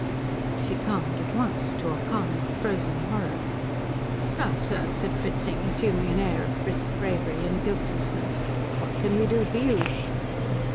She calmed at once to a calm of frozen horror. "Now, sir," said Fritzing, assuming an air of brisk bravery and guiltlessness, "what can we do for you?"